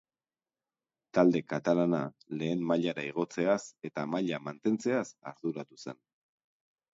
Talde katalana lehen mailara igotzeaz eta maila mantentzeaz arduratu zen.